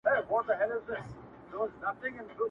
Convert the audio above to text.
د کرنې تاریخ زموږ په کتابونو کې دی.